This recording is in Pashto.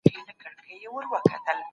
د يتيم سر مښل ثواب لري.